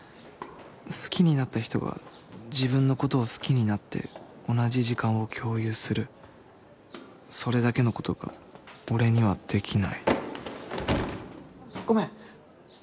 好きになった人が自分のことを好きになって同じ時間を共有するそれだけのことが俺にはできないごめん。